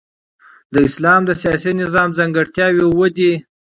د اسلام د سیاسي نظام ځانګړتیاوي اووه دي.